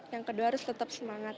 yang kedua harus tetap semangat